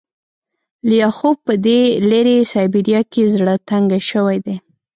لیاخوف په دې لیرې سایبریا کې زړه تنګی شوی دی